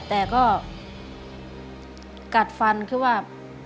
แต่ก็กัดฟันคือว่า